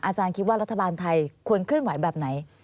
อาจารย์คิดว่ารัฐบาลไทยควรเคลื่อนไหวแบบไหน